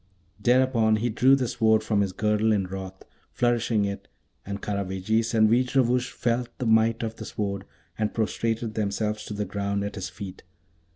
Thereupon he drew the Sword from his girdle in wrath, flourishing it; and Karavejis and Veejravoosh felt the might of the Sword, and prostrated themselves to the ground at his feet.